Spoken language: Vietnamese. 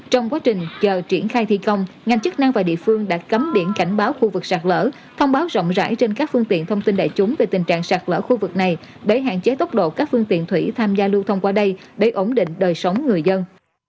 trong quá trình chờ triển khai thi công ngành chức năng và địa phương đã cấm biển cảnh báo khu vực sạt lở thông báo rộng rãi trên các phương tiện thông tin đại chúng về tình trạng sạt lỡ khu vực này để hạn chế tốc độ các phương tiện thủy tham gia lưu thông qua đây để ổn định đời sống người dân